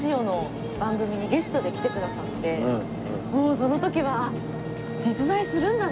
もうその時はへえ！